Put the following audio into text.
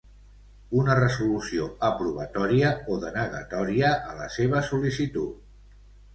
Una resolució aprovatòria o denegatòria a la seva sol·licitud.